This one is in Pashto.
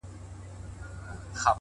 پرمختګ د کوچنیو ګامونو ټولګه ده.!